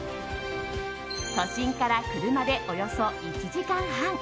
都心から車でおよそ１時間半。